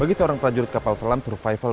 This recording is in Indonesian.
bagi seorang prajurit kapal selam survival